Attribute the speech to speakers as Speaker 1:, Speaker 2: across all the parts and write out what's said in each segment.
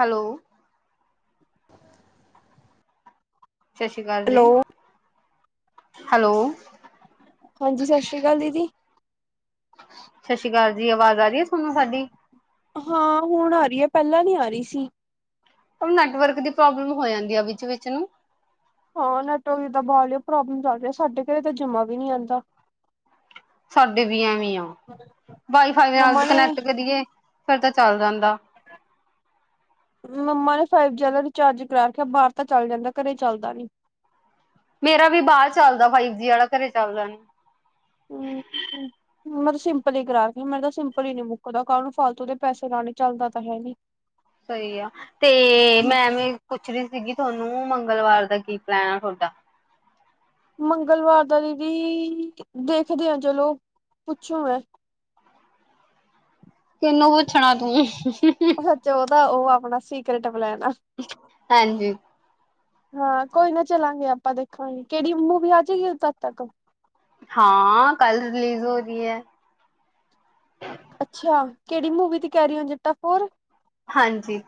Speaker 1: Hello!
Speaker 2: [inaudible]
Speaker 1: ਸਤਿ ਸ੍ਰੀ ਅਕਾਲ ਜੀ।
Speaker 2: ਹੈਲੋ।
Speaker 1: ਹੈਲੋ!
Speaker 2: ਹਾਂਜੀ, ਸਤਿ ਸ਼੍ਰੀ ਅਕਾਲ, ਦੀਦੀ।
Speaker 1: ਸਤਿ ਸ੍ਰੀ ਅਕਾਲ ਜੀ। ਆਵਾਜ਼ ਆ ਰਹੀ ਹੈ ਥੋਨੂੰ ਸਾਡੀ?
Speaker 2: ਹਾਂ, ਹੁਣ ਆ ਰਹੀ ਹੈ। ਪਹਿਲਾਂ ਨੀ ਆ ਰਹੀ ਸੀ।
Speaker 1: ਓਹ, ਨੈਟਵਰਕ ਦੀ ਪ੍ਰੋਬਲਮ ਹੋ ਜਾਂਦੀ ਆ ਵਿਚ-ਵਿਚ ਨੂੰ।
Speaker 2: ਹਾਂ, ਨੈਟਵਰਕ ਦੀ ਤਾਂ, ਬਾਹਲੀ ਪ੍ਰੋਬਲਮ ਚਲ ਰਹੀ ਹੈ ਸਾਡੇ ਘਰੇ ਤਾਂ ਜਮ੍ਹਾਂ ਵੀ ਨਹੀਂ ਆਂਦਾ।
Speaker 1: ਸਾਡੇ ਵੀ ਐਵੇਂ ਆ। ਵਾਈਫਾਈ ਦੇ ਨਾਲ
Speaker 2: ਮੰਮਾ ਨੇ
Speaker 1: ਕਨੈਕਟ ਕਰੀਏ ਫਿਰ ਤਾ, ਚੱਲ ਜਾਂਦਾ।
Speaker 2: [inaudible] ''ਮੰਮਾ ਨੇ, ਫਾਈਵ ਜੀ ਵਾਲਾ ਰਿਚਾਰਜ ਕਰਾਇਆ, ਬਾਹਰ ਤਾਂ ਚੱਲ ਜਾਂਦਾ ਘਰੇ ਚੱਲਦਾ ਨਹੀਂ।
Speaker 1: ਮੇਰਾ ਵੀ ਬਾਹਰ ਚੱਲਦਾ ਫਾਈਵ ਜੀ ਵਾਲਾ, ਘਰੇ ਚੱਲਦਾ ਨੀ।
Speaker 2: ਮੈਂ ਤਾਂ, ਸਿੰਪਲ ਹੀ ਕਰਾਨੀ ਆ ਮੇਰੇ ਤਾਂ ਸਿੰਪਲ ਹੀ ਨੀ ਮੁੱਕਦਾ, ਕਾਹਨੂੰ ਫਾਲਤੂ ਦੇ ਪੈੇਸੇ ਲਾਉਣੇ, ਚੱਲਦਾ ਤਾਂ ਹੈ ਨੀ।
Speaker 1: ਸਹੀ ਆ। ਤੇ ''ਮੈਂ ਵੀ ਪੁੱਛਰੀ ਸੀਗੀ ਤੁਹਾਨੂੰ ਮੰਗਲਵਾਰ ਦਾ ਕੀ ਪਲੈਨ ਆ ਤੁਹਾ? ਡਾ
Speaker 2: ਮੰਗਲਵਾਰ ਦਾ ਦੀਦੀ ਦੇਖਦੇ ਹਾਂ, ਚਲੋ। ਪੁੱਛੂ 'ਮੈਂ'
Speaker 1: ਕੀਹਨੂੰ, ਪੁੱਛਣਾ ਤੂੰ?
Speaker 2: ਉਹ, ਸੱਚ ਉਹਦਾ, ਉਹ ਆਪਣਾ ਸੀਕਰੇਟ
Speaker 1: ਹਾਂਜੀ।
Speaker 2: ਹਾਂ। ਕੋਈ ਨਾ, ਚੱਲਾਂਗੇ ਆਪਾਂ ਦੇਖਾਂਗੇ ਕਿਹੜੀ ਮੂਵੀ ਆਜੇਗੀ ਤਦ ਤੱਕ?
Speaker 1: ਹਾਂ, ਕੱਲ ਰਿਲੀਜ਼ ਹੋ ਰਹੀ ਹੈ।
Speaker 2: ਅੱਛਾ, ਕਿਹੜੀ ਮੂਵੀ ਦੀ ਕਹਿ ਰਹੀ ਆਂ, ਜੱਟਾ ਫੋਰ?
Speaker 1: ਹਾਂਜੀ।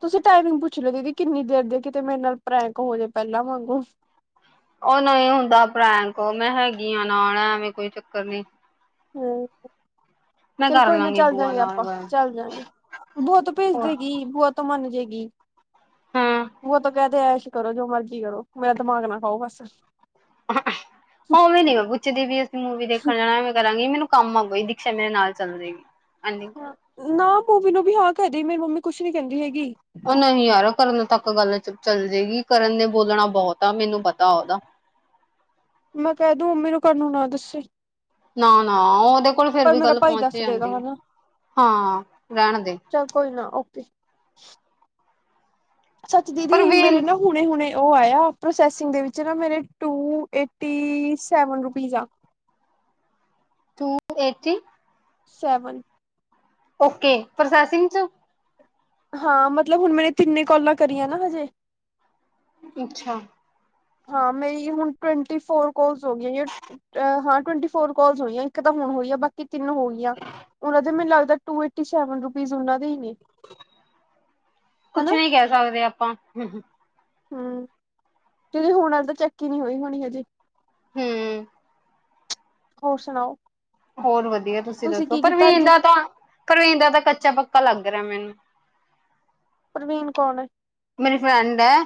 Speaker 2: ਤੁਸੀਂ ਟਾਈਮਿੰਗ ਪੁੱਛ ਲੋ ਦੀਦੀ, ਕਿੰਨੀ ਦੇਰ ਦੀ ਆ ਕਿਤੇ ਮੇਰੇ ਨਾਲ ਪਰੈਂਕ ਹੋਜੇ ਪਹਿਲਾਂ ਵਾਂਗੂ।
Speaker 1: ਉਹ ਨਹੀਂ ਹੁੰਦਾ ਪਰੈਂਕ, ਉਹ ਮੈਂ ਹੈਗੀ ਆ ਨਾਲ, ਐਵੇਂ ਕੋਈ ਚੱਕਰ ਨਹੀਂ।
Speaker 2: ਹੂੰ ਚੱਲ ਕੋਈ ਨਾ,
Speaker 1: ਲਾਂਗੀ
Speaker 2: ਚੱਲ
Speaker 1: ਬੂਆ
Speaker 2: ਜਾਂਗੇ
Speaker 1: ਨਾਲ
Speaker 2: ਆਪਾਂ-
Speaker 1: ਗੱਲ
Speaker 2: ਚੱਲ ਜਾਂਗੇ ਬੂਆ ਤੋ ਭੇਜ
Speaker 1: ਹੋਰ
Speaker 2: ਦੇਗੀ ਬੂਆ ਤੋਂ ਮਨ ਜੇਗੀ।
Speaker 1: ਹਾਂ।
Speaker 2: ਵੋ, ਤੋ ਕਹਿਦੇ ਐਸ਼ ਕਰੋ, ਜੋ ਮਰਜ਼ੀ ਕਰੋ, ਮੇਰਾ ਦਿਮਾਗ ਨਾ ਖਾਓ ਬਸ।
Speaker 1: ਉਵੇਂ ਨੀ ਮੈਂ ਪੁੱਛਦੀ ਵੀ, ਅਸੀਂ ਮੂਵੀ ਦੇਖਣ ਜਾਣਾਵੇ, ਐਂਵੇ ਕਰਾਂਗੀ, ਮੈਨੂੰ ਕੰਮ ਹੋ ਗਈ, ਦੀਕਸ਼ਾ ਮੇਰੇ ਨਾਲ ਚੱਲ ਜੇਗੀ। ਐਨੀ ਕੋਲ
Speaker 2: ਨਾ ਬੂਬੀ ਨੂੰ ਵੀ, ਹਾਂ ਕਹਿ ਦੀ। ਮੇਰੀ ਮੰਮੀ ਕੁੱਛ ਨੀ ਕਹਿੰਦੀ ਹੈਗੀ।
Speaker 1: ਉਹ ਨਹੀਂ ਯਾਰ, ਕਰਨ ਤੱਕ ਗੱਲ ਚੱਲ ਜੇਗੀ। ਕਰਨ ਨੇ ਬੋਲਣਾ ਬਹੁਤ ਆ, ਮੈਨੂੰ ਪਤਾ ਉਹਦਾ।
Speaker 2: ਮੈਂ ਕਹਿ ਦੂੰ ਮੰਮੀ ਨੂੰ ਕਰਨ ਨੂੰ ਨਾ ਦੱਸੀ।
Speaker 1: ਨਾ ਨਾ ਉਹਦੇ ਕੋਲ ਫੇਰ ਵੀ ਗੱਲ
Speaker 2: ਭਾਈ
Speaker 1: ਪਹੁੰਚ ਹੀ
Speaker 2: ਦੱਸ ਦੇਗਾ
Speaker 1: ਜਾਂਦੀ ਏ।
Speaker 2: ਹਨਾ
Speaker 1: ਹਾਂ। ਰਹਿਣ ਦੇ।
Speaker 2: ਚੱਲ ਕੋਈ ਨਾ [inaudible] ਸੱਚ ਦੀਦੀ ਮੇਰੇ
Speaker 1: ਪਰਵੀਨ
Speaker 2: ਨਾ ਹੁਣੇ ਹੁਣੇ। ਉਹ ਆਇਆ ਪ੍ਰੋਸੈਸਿੰਗ ਦੇ ਵਿਚ ਨਾ ਮੇਰੇ ਟੂ ਏਟੀ ਸੈਵਨ ਰੁਪੀਸ ਆ। [inaudible]
Speaker 1: To eighty.
Speaker 2: Seven.
Speaker 1: Okay processing ਚ।
Speaker 2: ਹਾਂ ਮਤਲਬ ਹੁਣ ਮੈਂ ਤਿੰਨੇ ਕਾਲਾਂ ਕਰੀਆਂ ਨਾ ਹਜੇ।
Speaker 1: ਅੱਛਾ।
Speaker 2: ਹਾਂ। ਮੇਰੀ ਹੁਣ ਟਵੰਟੀ ਫੋਰ ਕੋਲਸ ਹੋ ਗਈਆਂ ਹਾਂ ਟਵੰਟੀ ਫੋਰ ਕੋਲਸ ਹੋਈਆਂ ਇੱਕ ਦਮ। ਹੋਈ ਆ। ਬਾਕੀ ਤਿੰਨ ਹੋ ਗਈਆਂ, ਉਹਨਾਂ ਦੇ ਮੈਨੂੰ ਲੱਗਦਾ ਟੂ ਏਟੀ ਸੈਵਨ ਰੁਪੀਜ਼ ਉਹਨਾਂ ਦੇ ਹੀ ਨੇ। ਹਨਾ
Speaker 1: ਕੁਝ ਨਹੀਂ ਕਹਿ ਸਕਦੇ ਆਪਾਂ ਹੂੰ ਹੂੰ।
Speaker 2: ਹੂੰ, ਕਿੳਂਕਿ ਹੁਣ ਵਾਲੀ ਤਾਂ ਚੈੱਕ ਹੀ ਨਹੀਂ ਹੋਈ ਹੋਣੀ ਹਜੇ।
Speaker 1: ਹੂੰ।
Speaker 2: ਹੋਰ ਸੁਣਾਓ।
Speaker 1: ਹੋਰ ਵਧੀਆ। ਤੁਸੀਂ ਦੱਸੋ।
Speaker 2: ਕੀ ਕੀਤਾ
Speaker 1: ਪ੍ਰਵੀਨ
Speaker 2: ਅੱਜ
Speaker 1: ਦਾ ਤਾਂ ਪ੍ਰਵੀਨ ਦਾ ਤਾਂ ਕੱਚਾ ਪੱਕਾ ਲੱਗਦਾ। ਗ੍ਰਾਮੀਣ।
Speaker 2: ਮੀਨ ਕੌਣ ਐ?
Speaker 1: ਮੇਰੀ ਫਰੈਂਡ ਹੈ।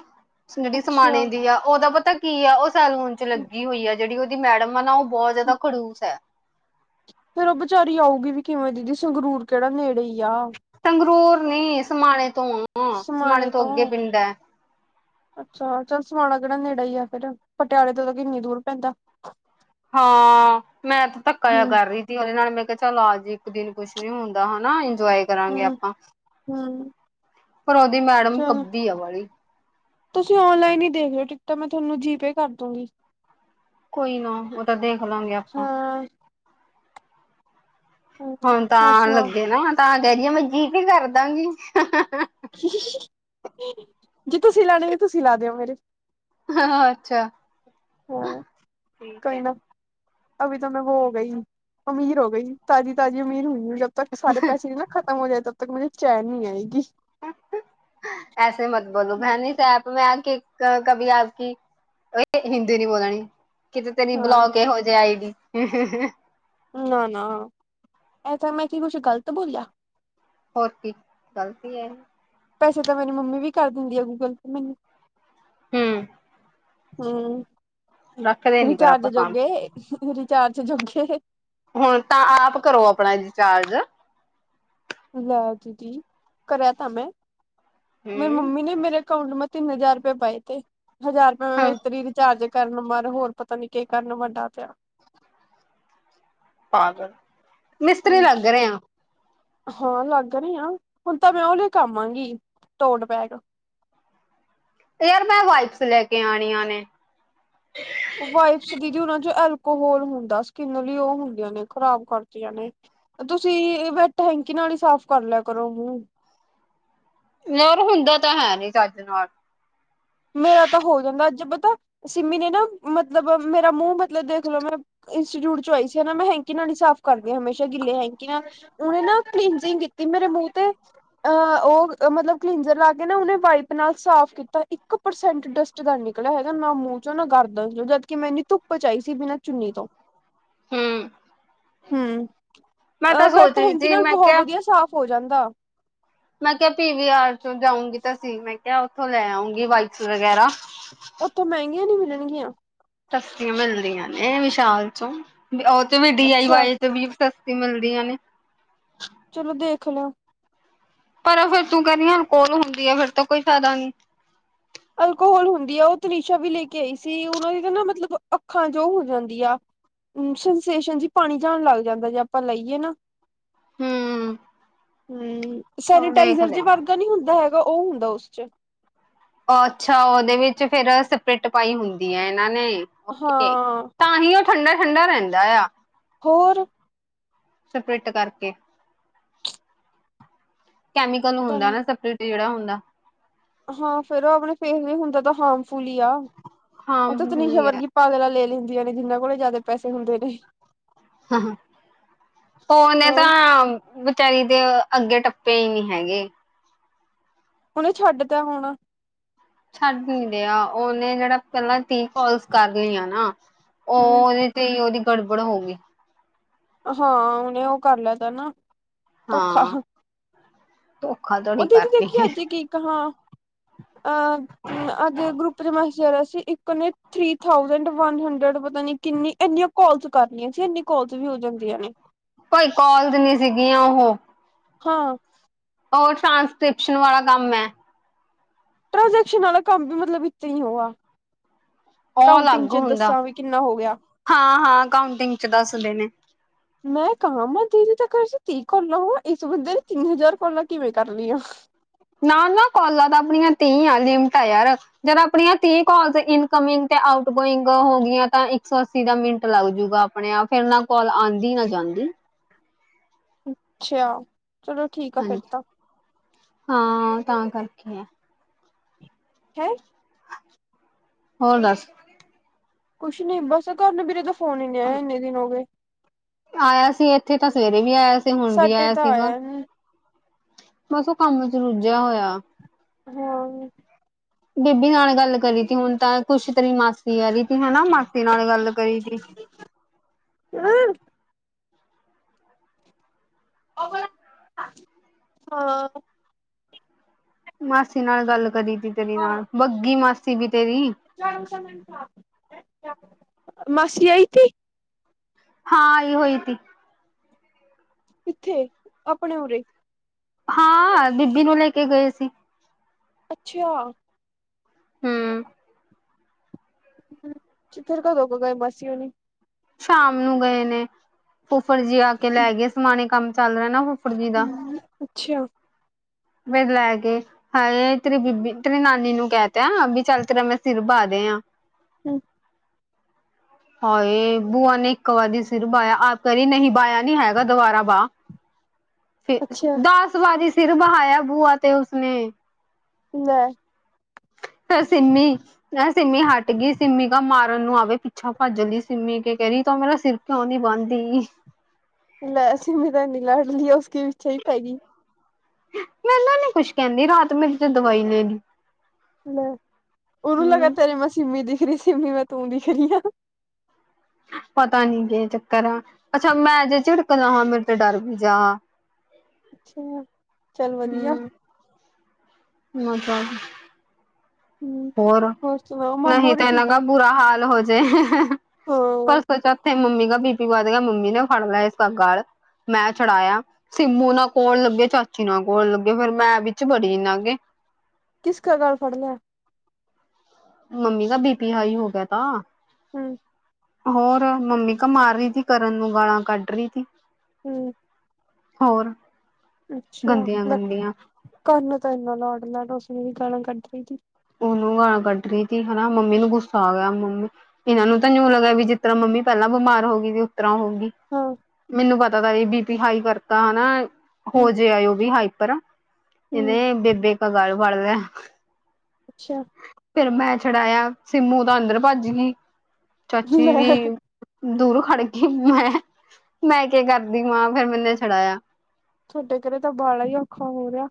Speaker 1: ਜਿਹੜੀ ਸਮਾਨ
Speaker 2: ਅੱਛਾ
Speaker 1: ਦਿੰਦੀ ਆ, ਉਹਦਾ ਪਤਾ ਕੀ ਆ। ਉਹ। ਸਾਲੂ ਚ ਲੱਗੀ ਹੋਈ ਆ। ਜਿਹੜੀ ਉਹਦੀ ਮੈਡਮ ਆ ਨਾ, ਉਹ ਬਹੁਤ ਜਿਆਦਾ ਖੜੂਸ ਹੈ।
Speaker 2: ਫੇਰ ਉਹ ਵਿਚਾਰੀ ਆਊਗੀ ਵੀ ਕਿਵੇਂ ਦੀਦੀ? ਸੰਗਰੂਰ ਕਿਹੜਾ ਨੇੜੇ ਹੀ ਆ।
Speaker 1: ਸੰਗਰੂਰ ਨੀ ਸਮਾਣੇ ਤੋਂ ਆ ਸਮਾਣੇ ਤੋਂ ਅੱਗੇ ਪਿੰਡ ਹੈ।
Speaker 2: ਅੱਛਾ ਚੱਲ ਸਮਾਣਾ ਕਿਹੜਾ ਨੇੜੇ ਹੀ ਆ ਫੇਰ। ਪਟਿਆਲੇ ਤੋਂ ਤਾਂ ਕਿੰਨੀ ਦੂਰ ਪੈਂਦਾ।
Speaker 1: ਹਾਂ ਮੈਂ ਤੇ ਧੱਕਾ ਜਿਹਾ
Speaker 2: ਹੂੰ
Speaker 1: ਕਰ ਰਹੀ ਸੀ ਉਹਦੇ ਨਾਲ। ਮੈਂ। ਕਿਹਾ ਚੱਲ ਆ ਜੀ ਇੱਕ ਦਿਨ, ਕੁਝ ਨੀ ਹੁੰਦਾ ਹੈਨਾ ਇੰਜੋਏ ਕਰਾਂਗੇ
Speaker 2: ਹੂੰ
Speaker 1: ਆਪਾਂ।
Speaker 2: ਹੂੰ
Speaker 1: ਪਰ ਉਹਦੀ ਮੈਡਮ
Speaker 2: ਚਲੋ
Speaker 1: ਕੱਬੀ ਆ ਬੜੀ।
Speaker 2: ਤੁਸੀਂ ਓਨਲਾਈਨ ਹੀ ਦੇਖ ਲੋ ਟਿਕਟਾਂ। ਮੈਂ ਤੁਹਾਨੂੰ ਜੀ ਪੇ ਕਰ ਦੂੰਗੀ।
Speaker 1: ਕੋਈ ਨਾ ਉਹ ਤਾਂ ਦੇਖਲਾਂ ਗੇ ਆਪਾਂ।
Speaker 2: ਹਾਂ
Speaker 1: ਹੁਣ ਤਾਂ
Speaker 2: ਹੋਰ
Speaker 1: ਆਉਣ
Speaker 2: ਸੁਣਾਓ
Speaker 1: ਲੱਗੇ ਨਾ ਤਾਂ ਕਹਿ ਰਹੀ ਏ ਮੈਂ ਜੀ ਪੇ ਕਰ ਦਾਂਗੀ।
Speaker 2: ਜੇ ਤੁਸੀਂ ਲਾਣੇ ਨੇ। ਤੁਸੀਂ ਲਾ ਦਿਓ ਮੇਰੇ।
Speaker 1: ਹਾਂ ਹਾਂ ਅੱਛਾ।
Speaker 2: ਹਾਂ ਕੋਈ ਨਾ। ਅਭੀ ਤੋ ਮੈਂ ਵੋ ਹੋ ਗਈ। ਅਮੀਰ ਹੋ ਗਈ। ਤਾਜ਼ੀ ਤਾਜ਼ੀ ਅਮੀਰ ਹੁਈ ਹੂੰ। ਜਦ ਤੱਕ ਸਾਰੇ ਪੈਸੇ ਨਾ ਖਤਮ ਨੀ ਹੋ ਜਾਏ। ਤਬ ਤੱਕ ਮੁਝੇ ਚੈਨ ਨੀ ਆਏਗੀ।
Speaker 1: ਐਸੇ ਮਤ ਬੋਲੋ ਬੈਨੀ ਸਾਹਿਬ। ਮੈਂ ਕਿ ਕਭੀ ਆਪ ਕੀ। ਓਏ ਹਿੰਦੀ ਨਹੀਂ ਬੋਲਣੀ। ਕਿਤੇ ਤੇਰੀ
Speaker 2: ਹਾਂ
Speaker 1: ਬਲੋਕ ਹੀ ਹੋ ਜਾਏ ਆਈ ਡੀ।
Speaker 2: ਨਾ ਨਾ ਐਸਾ ਮੈਂ ਕੀ ਕੁਝ ਗ਼ਲਤ ਬੋਲਿਆ?
Speaker 1: ਹੋਰ ਕੀ। ਗਲਤੀ ਐ।
Speaker 2: ਪੈਸੇ ਤਾਂ ਮੇਰੀ ਮੰਮੀ ਵੀ ਕਰ ਦਿੰਦੀ ਆ ਗੂਗਲ ਮੈਨੂੰ।
Speaker 1: ਹੂੰ।
Speaker 2: ਹੂੰ
Speaker 1: ਰੱਖਦੇ ਨੀ ਪਰ
Speaker 2: ਰਿਚਾਰਜ
Speaker 1: ਆਪਾਂ ਕੰਮ
Speaker 2: ਜੋਗੇ ਰਿਚਾਰਜ ਜੋਗੇ।
Speaker 1: ਹੁਣ ਤਾਂ ਆਪ ਕਰੋ। ਆਪਣਾ ਰਿਚਾਰਜ।
Speaker 2: ਲੈ ਦੀਦੀ ਕਰਿਆ ਤਾਂ ਮੈਂ। ਮੇਰੀ
Speaker 1: ਹੂੰ
Speaker 2: ਮੰਮੀ ਨੇ ਮੇਰੇ। ਅਕਾਊਂਟ ਮਾ ਤਿੰਨ ਹਜ਼ਾਰ ਰੁਪਏ ਪਾਏ ਤੇ। ਹਜ਼ਾਰ ਰੁਪਏ ਮੈਂ
Speaker 1: ਹਾਂ
Speaker 2: ਇਤਰੀ ਰਿਚਾਰਜ। ਕਰਨ ਮਾਰ ਹੋਰ ਪਤਾ ਨੀ ਕੀ ਕਰਨ ਵੱਡਾ ਪਿਆ।
Speaker 1: ਪਾਗਲ, ਮਿਸਤਰੀ
Speaker 2: ਹੂੰ
Speaker 1: ਲੱਗ ਰਹੇ ਆ।
Speaker 2: ਹਾਂ, ਲੱਗ ਰਹੀ ਆ। ਹੁਣ ਤਾਂ ਮੈਂ ਉਹ ਦੇ ਕਵਾਂਗੀ ਟੋਲ ਬੈਗ। [inaudible]
Speaker 1: ਹੋਰ ਮੈਂ ਵਾਇਪਸ ਲੈ ਕੇ ਆਣੀਆਂ ਨੇ।
Speaker 2: ਵਾਈਬਸ ਦੀਦੀ ਉਹਨਾ ਚ ਐਲਕੋਹਲ ਹੁੰਦਾ। ਸਕਿੰਨ ਲਈ ਉਹ ਹੁੰਦੀਆਂ ਨੇ ਖ਼ਰਾਬ ਕਰਦੀਆਂ ਨੇ। ਤੁਸੀਂ ਹੈਂਕੀ ਨਾਲ ਹੀ ਸਾਫ਼ ਕਰ ਲਿਆ ਕਰੋ ਮੂੰਹ।
Speaker 1: ਯਾਰ ਹੁੰਦਾ ਤਾਂ ਹੈ ਨੀ ਚੱਜ ਨਾਲ।
Speaker 2: ਮੇਰਾ ਤਾਂ ਹੋ ਜਾਂਦਾ। ਜ ਪਤਾ ਸਿੰਮੀ ਨੇ ਨਾ, ਮਤਲਬ ਮੇਰਾ ਮੂੰਹ ਮਤਲਬ ਦੇਖਲੋ। ਮੈਂ ਇੰਸਚਿਊਟ ਚ ਆਈ ਸੀ। ਨਾ ਮੈਂ ਹੈਂਕੀ ਨਾਲ ਹੀ ਸਾਫ਼ ਕਰਦੀ ਹਾਂ। ਹਮੇਸ਼ਾ ਗਿੱਲੇ ਹੈਂਕੀ ਨਾਲ, ਉਹਨੇ ਨਾ ਕਲੀਨਜਿੰਗ ਕੀਤੀ। ਮੇਰੇ ਮੂੰਹ ਤੇ, ਅਹ ਉਹ ਮਤਲਬ ਕਲੀਨਜਰ ਲਾ ਕੇ, ਨਾ ਉਹਨੇ ਵਾਈਪ ਨਾਲ ਸਾਫ ਕੀਤਾ। ਇੱਕ ਇੱਕ ਪਰਸੈਂਟ ਡਸਟ ਦਾ ਨਿਕਲਿਆ ਹੈਗਾ। ਨਾ ਮੂੰਹ ਚੋਂ ਨਾ ਗਰਦਨ। ਜਦਕਿ ਮੈਂ ਇੰਨੀ ਧੁੱਪ ਚ ਆਈ ਸੀ। ਬਿਨਾਂ ਚੁੰਨੀ ਤੋਂ
Speaker 1: ਹੂੰ।
Speaker 2: ਹਮ,
Speaker 1: ਮੈਂ
Speaker 2: ਅ
Speaker 1: ਤਾਂ
Speaker 2: ਪਰ
Speaker 1: ਸੋਚ ਰਹੀ
Speaker 2: ਹੈਂਕੀ
Speaker 1: ਸੀ
Speaker 2: ਨਾਲ
Speaker 1: ਮੈਂ
Speaker 2: ਬਹੁਤ
Speaker 1: ਕਿਹਾ
Speaker 2: ਵਧੀਆ ਸਾਫ਼ ਹੋ ਜਾਂਦਾ।
Speaker 1: ਮੈਂ ਕਿਹਾ ਪੀ ਵੀ ਆਰ ਚ ਜਾਊਂਗੀ। 'ਤਾਂ ਸੀ ਮੈਂ ਕਿਹਾ ਉਥੋਂ ਲੈ ਆਉਂਗੀ। ਵਾਇਪਸ ਵਗੈਰਾ।
Speaker 2: ਜਾਣਗੀਆਂ।
Speaker 1: ਸਸਤੀਆਂ ਮਿਲਦੀਆਂ ਨੇ ਵਿਸ਼ਾਲ ਚੋਂ, ਉਹ 'ਤੇ ਵੀ ਡੀ ਆਈ
Speaker 2: ਅੱਛਾ
Speaker 1: ਵਾਈ ਚ ਵੀ ਸਰ ਮਿਲਦੀਆਂ ਨੇ।
Speaker 2: ਚਲੋ, ਦੇਖ ਲਓ।
Speaker 1: ਪਰ ਫਿਰ ਤੂੰ ਕਰਣੀ ਉਹ ਕੋਲ ਹੁੰਦੀ ਆ। ਫਿਰ ਤਾਂ ਕੋਈ ਫਿਆਦਾ ਨਹੀਂ।
Speaker 2: ਅਲਕੋਹਲ ਹੁੰਦੀ ਆ। ਉਹ 'ਤੇ ਨਿਸ਼ਾ ਵੀ ਲੈ ਕੇ ਆਈ ਸੀ। ਉਹਨਾਂ ਦੀ ਨਾ ਮਤਲਬ ਅੱਖਾਂ ਚ ਹੋ ਜਾਂਦੀ ਆ। ਸੰਸੇਸ਼ਨ ਜੀ ਪਾਣੀ ਜਾਣ ਲੱਗ ਜਾਂਦਾ। ਜੇ ਆਪਾਂ ਲਈਏ ਨਾ।
Speaker 1: ਹੂੰ
Speaker 2: ਹੂੰ,
Speaker 1: ਉਹ
Speaker 2: ਸੈਨੀਟਾਈਜ਼ਰ
Speaker 1: ਦੇਖਦੇ
Speaker 2: ਜ
Speaker 1: ਆ।
Speaker 2: ਵਰਗਾ ਨਈ ਹੁੰਦਾ ਉ। ਉਹ ਹੁੰਦਾ ਉਸ ਚ
Speaker 1: ਅੱਛਾ। ਉਹਦੇ ਵਿੱਚ ਫਿਰ ਸਪਰੇਟ ਪਾਈ ਹੁੰਦੀ ਏ। ਇਹਨਾਂ ਨੇ-
Speaker 2: ਹਾਂ
Speaker 1: ਓਕੇ, ਤਾਂ ਹੀ ਉਹ ਠੰਡਾ -ਠੰਡਾ ਰਹਿੰਦਾ ਆ।
Speaker 2: ਹੋਰ।
Speaker 1: ਸਪਰਿਟ ਕਰਕੇ ਕੈਮੀਕਲ
Speaker 2: ਤਾਂ
Speaker 1: ਹੁੰਦਾ ਨਾ, ਸਪਰਿਟ ਜਿਹੜਾ ਹੁੰਦਾ।
Speaker 2: ਹਾਂ। ਫੇਰ ਉਹ ਆਪਣੇ ਫੇਰ ਵੀ ਹੁੰਦਾ ਤਾਂ, ਹਾਂ। ਫੂਲੀ ਆ।
Speaker 1: ਹਾਂ
Speaker 2: ਉਹ 'ਤੇ ਤਨਿਸ਼ਾ
Speaker 1: ਹੁੰਦੀ
Speaker 2: ਵਰਗੀ ਪਾਗਲਾ ਨੇ ਲੈ ਲੀ। ਹੁੰਦੀਆਂ ਨੇ, ਜਿੰਨ੍ਹਾਂ ਕੋਲੇ ਜ਼ਿਆਦਾ ਪੈਸੇ ਹੁੰਦੇ ਨੇ।
Speaker 1: ਹਾਂ, ਉਹਨੇ
Speaker 2: ਹੋਰ
Speaker 1: ਤਾਂ ਵਿਚਾਰੀ। 'ਤੇ ਅੱਗੇ ਟੱਪੇ ਹੀ ਨਹੀਂ ਹੈਗੇ।
Speaker 2: ਉਹਨੇ ਛੱਡਤਾ ਹੋਣ।
Speaker 1: ਛੱਡ ਨੀ ਰਿਹਾ। ਉਹਨੇ ਜਿਹੜਾ ਪਹਿਲਾਂ ਤੀਹ ਕੋਲਸ ਕਰ ਲਈਆਂ ਨਾ। ਉਹ
Speaker 2: ਹਮ
Speaker 1: ਉਹਦੇ 'ਤੇ ਉਹਦੀ ਗੜਬੜ ਹੋ ਗਈ।
Speaker 2: ਹਾਂ, ਉਹਨੇ ਉਹ ਕਰ ਲਿਆ ਨਾ ਧੋਖਾ।
Speaker 1: ਹਾਂ ਧੋਖਾ
Speaker 2: ਉਹ
Speaker 1: ਧੜੀ
Speaker 2: ਦੀਦੀ
Speaker 1: ਕਰਤੀ
Speaker 2: ਦੇਖੀ।
Speaker 1: ਹੈ।
Speaker 2: ਅੱਜ ਏ ਕਿ ਕਹਾ। ਅ ਅੱਜ ਗਰੁੱਪ ਚ ਮੈਸੇਜ ਆ ਰਿਹਾ ਸੀ। ਇੱਕ ਨੇ ਥ੍ਰਰੀ ਥਾਓਸੈਂਡ ਵਨ ਹੰਡਰਡ ਪਤਾ ਨੀ- ਕਿੰਨੀ, ਇੰਨੀਆਂ ਕੋਲਸ ਕਰਨੀਆਂ ਸੀ। ਇੰਨੀ ਕੋਲਸ ਵੀ ਹੋ ਜਾਂਦੀਆਂ ਨੇ।
Speaker 1: ਭਾਈ ਕੋਲਸ ਨਹੀਂ ਸੀਗੀਆਂ। ਉਹ-
Speaker 2: ਹਾਂ।
Speaker 1: ਉਹ ਟ੍ਰਾਂਸਕ੍ਰਿਪਸ਼ਨ ਵਾਲਾ ਕੰਮ ਏ।
Speaker 2: ਟ੍ਰਾਂਸਕਿਸਸ਼ਨ ਵਾਲਾ ਕੰਮ ਵੀ ਮਤਲਬ, ਇੱਥੇ ਹੀ ਹੋਗਾ।
Speaker 1: ਉਹ ਅਲੱਗ ਹੁੰਦਾ।
Speaker 2: ਗਿਆ
Speaker 1: ਹਾਂ -ਹਾਂ ਕਾਉਂਟਿੰਗ ਚ ਦੱਸਦੇ ਨੇ।
Speaker 2: ਮੈਂ ਕਮ ਆ ਦੀਦੀ [unintelligible] ਤੱਕ ਤੀਹ ਕੋਲਾ ਵ ਇਸ ਬੰਦੇ ਨੇ ਤਿੰਨ ਹਜ਼ਾਰ ਕੋਲਾ ਕਿਵੇਂ ਕਰ ਲਈ ਆ
Speaker 1: ਨਾ- ਨਾ ਕੋਾਲਾਂ ਤਾਂ ਆਪਣੀਆਂ ਤੀਹ ਆ ਲਿਮਟ ਆ ਯਾਰ। ਜਦ ਆਪਣੀਆਂ ਤੀਹ ਕੋਾਲਸ ਇਨਕਮਿੰਗ ਤੇ- ਆਊਟ ਗੋਇੰਗ ਹੋ ਗੀਆਂ ਤਾਂ ਇੱਕ ਸੌ ਅੱਸੀ ਦਾ ਮਿੰਟ ਲੱਗ ਜੂਗਾ। ਆਪਣੇ ਆਪ ਫੇਰ ਨਾ ਕੋਲ ਆਉਂਦੀ ਨਾ ਜਾਂਦੀ। ਹਾਂਜੀ
Speaker 2: ਅੱਛਾ ਚਲੋ ਠੀਕ ਆ ਫਿਰ
Speaker 1: ਹਾਂਜੀ
Speaker 2: ਤਾਂ
Speaker 1: ਹਾਂ ਤਾਂ ਕਰਕੇ ਆ
Speaker 2: ਹੈਂ
Speaker 1: ਹੋਰ ਦੱਸ
Speaker 2: ਕੁਛ ਨੀ ਬਸ ਘਰ ਨੂੰ ਵੀਰੇ ਤਾਂ ਫੋਨ ਹੀ ਨਹੀਂ ਆਇਆ ਇੰਨੇ ਦਿਨ ਹੋ ਗਏ
Speaker 1: ਆਇਆ ਸੀ ਇੱਥੇ ਤਾਂ ਸਵੇਰੇ ਵੀ ਆਇਆ ਸੀ ਹੁਣ ਵੀ
Speaker 2: ਸਾਡੇ
Speaker 1: ਆਇਆ
Speaker 2: ਤਾਂ
Speaker 1: ਸੀਗਾ
Speaker 2: ਨੀ
Speaker 1: ਬਸ ਉਹ ਕੰਮ ਚ ਰੁੱਝਿਆ ਹੋਇਆ
Speaker 2: ਹਾਂ
Speaker 1: ਬੀਬੀ ਨਾਲ ਗੱਲ ਕਰੀ ਹੁਣ ਤਾਂ ਕੁਛ ਤੇ ਤੇਰੀ ਮਾਸੀ ਆ ਰਹੀ ਤੀ ਹੈਨਾ ਮਾਸੀ ਨਾਲ ਗੱਲ ਕਰੀ ਤੀ
Speaker 2: [unintelligible] ਉਹ ਹਾਂ
Speaker 1: ਮਾਸੀ ਨਾਲ ਗੱਲ ਕਰੀ ਤੀ ਤੇਰੀ
Speaker 2: ਹਾਂ
Speaker 1: ਨਾਲ ਬੱਗੀ ਮਾਸੀ ਵੀ ਤੇਰੀ
Speaker 2: ਮਾਸੀ ਆਈਥੀ
Speaker 1: ਹਾਂ ਇਹ ਹੋਈ ਤੀ
Speaker 2: ਕਿੱਥੇ ਆਪਣੇ ਉਰੇ
Speaker 1: ਹਾਂ ਬੀਬੀ ਨੂੰ ਲੈ ਕੇ ਗਏ ਸੀ
Speaker 2: ਅੱਛਾ
Speaker 1: ਹਮ
Speaker 2: ਚਿੱਥਰ ਕਦੋਂ ਕੋ ਗਏ ਮਾਸੀ ਹੁਣੀ
Speaker 1: ਸ਼ਾਮ ਨੂੰ ਗਏ ਨੇ ਉਫਰ ਜੀ ਆ ਕੇ ਲੈ ਗਏ ਸਮਾਣੇ ਕੰਮ ਚੱਲ ਰਿਹਾ ਨਾ ਫੁਫਰ ਜੀ ਦਾ
Speaker 2: ਅੱਛਾ
Speaker 1: ਫਿਰ ਲੈ ਕੇ। ਹਾਏ। ਤੇਰੀ ਬੀਬੀ ਤੇਰੀ ਨਾਨੀ ਨੂੰ ਕਹਿ ਤ ਵੀ ਚੱਲ ਤੇਰਾ ਮੈਂ ਸਿਰ ਵਾ ਦੇ- [unintelligible]
Speaker 2: ਹਮ
Speaker 1: ਹਾਂ ਇਹ ਬੂਆ ਨੇ ਇੱਕ ਵਾਰੀ ਸਿਰ ਬਾਇਆ ਆਪ ਕਹਿ ਰਹੀ ਨਹੀਂ ਬਾਇਆ ਨੀ ਹੈਗਾ ਦੁਬਾਰਾ ਬਾਹ ਫ
Speaker 2: ਅੱਛਾ
Speaker 1: ਦਸ ਵਾਰੀ ਸਿਰ ਬਹਾਇਆ ਬੂਆ ਤੇ ਉਸਨੇ
Speaker 2: [unintelligible]
Speaker 1: ਫ ਸਿੰਮੀ ਸਿੰਮੀ ਹੱਟ ਗਈ ਸਿੰਮੀ ਕ ਮਾਰਨ ਨੂੰ ਆਵੇ ਪਿੱਛਾ ਭੱਜ ਲਈ ਸਿੰਮੀ ਕੇ ਰੀ ਤੋਂ ਮੇਰਾ ਸਿਰ ਕਿਉਂਦੀ ਬਾਦੀ
Speaker 2: ਲੈਸੀਮੀ ਤਾਂਨੀ ਲੜ ਲਈ ਉਸਕੇ ਪਿੱਛੇ ਹੀ ਪੈ ਗਈ
Speaker 1: ਮੈੂੰ ਨੀ ਕੁਛ ਕਹਿੰਦੀ ਰਾਤ ਮੇਰੀ ਤੇ ਦਵਾਈ ਲੈਣੀ
Speaker 2: ਲੈ ਉਹਨੂੰ ਲੱਗਾ ਤੇਰੇ ਮੈਂ ਸਿੰਮੀ ਦਿਖ ਰਹੀ ਸਿਮੀ ਮੈਂ ਤੂੰ ਦਿਖ ਰਹੀ ਆ [unintelligible]
Speaker 1: ਪਤਾ ਨੀ ਕਿ ਚੱਕਰ ਆ ਅੱਛਾ ਮੈਂ ਜੇ ਝਿੜਕਦਾ ਹਾਂ ਮੇਰੇ ਤੇ ਡਰ ਵੀ ਜਾ
Speaker 2: ਅੱਛਾ ਚੱਲ ਵਧੀਆ
Speaker 1: ਹੂੰ, [unintelligible]
Speaker 2: ਹੂੰ
Speaker 1: ਹੋਰ
Speaker 2: ਸੁਣਾਓ ਮਾਮੂ
Speaker 1: ਨਹੀਂ
Speaker 2: ਹੋਰੀ
Speaker 1: ਤਾਂ ਇਹਨਾਂ
Speaker 2: ਠੀਕ
Speaker 1: ਗ
Speaker 2: ਆ
Speaker 1: ਬੁਰਾ ਹਾਲ ਹੋਜੇ
Speaker 2: ਹਾਂ
Speaker 1: ਪਰਸੋਂ ਚੌਥੇ ਮੰਮੀ ਬੀ ਪੀ ਕਦੇ ਗਿਆ ਮੰਮੀ ਨੇ ਫੜ ਲਿਆ ਇਸ ਕਾ ਗੱਲ ਮੈਂ ਚੜਾਇਆ ਸਿੰਮੂ ਨਾਲ ਕੋਲ ਲੱਗੇ ਚਾਚੀ ਨਾਲ ਕੋਲ ਲੱਗੇ ਫੇਿਰ ਮੈਂ ਵਿੱਚ ਬੜੀ ਨਾਗੇ
Speaker 2: ਕਿਸ ਕਾ ਗੱਲ ਫੜ ਲੈਆ
Speaker 1: ਮੰਮੀ ਦਾ ਬੀਪੀ ਹ ਹੀ ਹੋ ਗਿਆ ਤਾ
Speaker 2: ਹਮ
Speaker 1: ਹੋਰ ਮੰਮੀ ਕ ਮਾਰ ਰਹੀ ਸੀ ਕਰਨ ਨੂੰ ਗਾਲਾਂ ਕੱਢ ਰਹੀ ਸੀ
Speaker 2: ਹੂੰ।
Speaker 1: ਹੋਰ
Speaker 2: ਅੱਛਾ,
Speaker 1: ਗੰਦੀਆਂ ਗੰਦੀਆਂ
Speaker 2: ਕਰਨਨ ਤਾਂ ਇੰਨਾ ਲਾੜ ਲੈ ਲ ਉਸਨੇ ਵੀ ਗਾਲਾਂ ਕੱਢ ਰ ਦੀ।
Speaker 1: ਉਹਨੂੰ ਗੱਲ ਕੱਢ ਰਹੀ ਥੀ ਹੈਨਾ, ਮੰਮੀ ਨੂੰ ਗੁੱਸਾ ਆ ਗਿਆ ਮੰਮੀ ਇਹਨਾਂ ਨੂੰ ਤਾਂ ਜਉ ਲੱਗਿਆ ਵੀ ਜਿਸ ਤਰ੍ਹਾਂ ਮੰਮੀ ਮੰਮੀ ਪਹਿਲਾਂ ਬਿਮਾਰ ਹੋ ਗਈ ਸੀ ਉਤਰਾਂ ਹੋਗੀ
Speaker 2: ਹਾਂ
Speaker 1: ਮੈਨੂੰ ਪਤਾ ਤ ਇਹ ਬੀਪੀ ਹਾਈ ਕਰਤਾ ਹੈਨਾ।
Speaker 2: ਹੂੰ
Speaker 1: ਹੋ ਜੇ ਆ ਉਹ ਵੀ ਹਾਈਪਰ
Speaker 2: ਹੂੰ
Speaker 1: ਇਹਨੇ ਬੇਬੇ ਕ ਗੱਲ ਬੜ ਲ
Speaker 2: ਅੱਛਾ।
Speaker 1: ਫਿਰ ਮੈਂ ਛਡਾਇਆ ਸਮੂ ਤਾਂ ਅੰਦਰ ਭੱਜੀ ਗਈ, ਚਾਚੀ
Speaker 2: ਲੈ
Speaker 1: ਵੀ ਦੂਰ ਫੜ ਕੇ ਮੈਂ, ਮੈਂ ਕੇ ਕਰਦੀ ਮਾਂ ਫੇਰ ਮੈਨੇ ਛਡਾਇਆ।
Speaker 2: ਤੁਹਾਡੇ ਘਰੇ ਤਾਂ ਬਾਲਾ ਈ ਔਖਾ ਹੋ ਰਿਹਾ।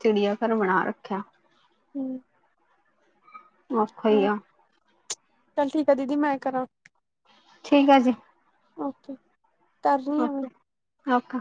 Speaker 1: ਚਿੜੀਆ ਘਰ ਬਣਾ ਰੱਖਿਆ।
Speaker 2: ਹੂੰ
Speaker 1: ਓਖਾ ਈ‌ ਆ।
Speaker 2: ਚੱਲ ਠੀਕ ਆ ਦੀਦੀ ਮੈਂ ਕਰਾਂ
Speaker 1: ਠੀਕ ਆ ਜੀ।
Speaker 2: ਓਕੇ ਕਰ ਰਹੀ ਆ ਮੈਂ
Speaker 1: ਓਕੇ ਓਕਾ